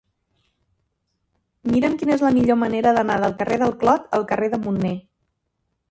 Mira'm quina és la millor manera d'anar del carrer del Clot al carrer de Munné.